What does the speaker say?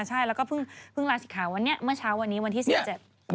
ใช่แล้วก็เพิ่งเพิ่งลาศิกขาวันนี้เมื่อเช้าวันนี้วันที่สิบเจ็ด